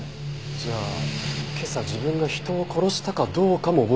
じゃあ今朝自分が人を殺したかどうかも覚えていない。